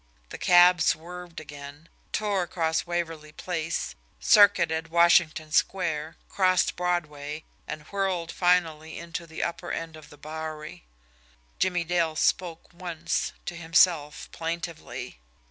The cab swerved again, tore across Waverly Place, circuited Washington Square, crossed Broadway, and whirled finally into the upper end of the Bowery. Jimmie Dale spoke once to himself plaintively.